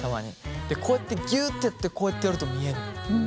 でこうやってギュってやってこうやってやると見えんのよ。